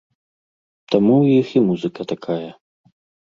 Таму ў іх і музыка такая.